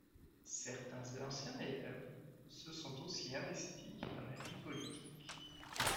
Certains anciens élèves se sont aussi investis dans la vie politique.